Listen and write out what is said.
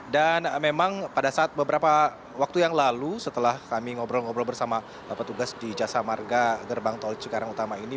dan memang pada saat beberapa waktu yang lalu setelah kami ngobrol ngobrol bersama petugas di jasa marga gerbang tol cikarang utama ini